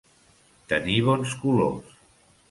Tenir bons colors.